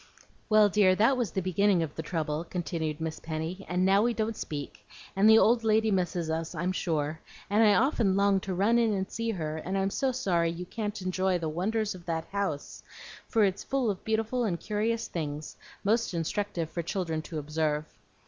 "Well, dear, that was the beginning of the trouble," continued Miss Penny; "and now we don't speak, and the old lady misses us, I'm sure, and I often long to run in and see her, and I'm so sorry you can't enjoy the wonders of that house, for it's full of beautiful and curious things, most instructive for children to observe.